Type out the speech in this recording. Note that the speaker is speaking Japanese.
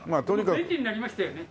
便利になりましたよね。